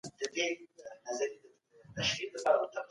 د بل چا حق په زور مه اخلئ.